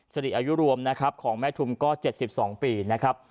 สติอายุรวมนะครับของแม่ทุ่มก็เจ็ดสิบสองปีนะครับ